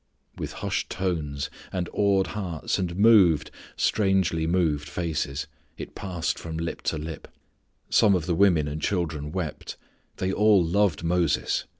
With hushed tones, and awed hearts and moved, strangely moved faces it passed from lip to lip. Some of the women and children wept. They all loved Moses.